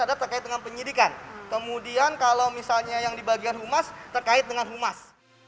ada terkait dengan penyidikan kemudian kalau misalnya yang di bagian humas terkait dengan humas